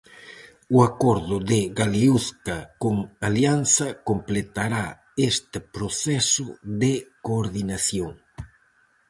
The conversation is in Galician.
O acordo de Galeuzca con Alianza completará este proceso de coordinación.